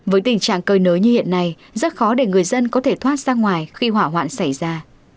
với tình trạng cơi nới như hiện nay rất khó để người dân có thể thoát ra ngoài khi hỏa hoạn xảy ra